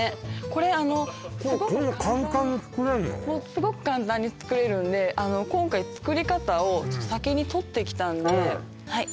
これすごく簡単に作れるんで今回作り方を先に撮ってきたんではい